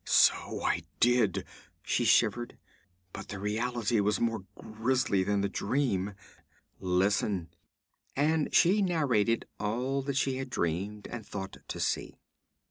'So I did!' she shivered. 'But the reality was more grisly than the dream. Listen!' And she narrated all that she had dreamed and thought to see.